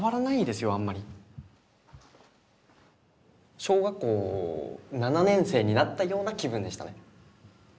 小学校７年生になったような気分でしたね。